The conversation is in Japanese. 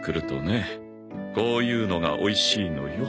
こういうのがおいしいのよ。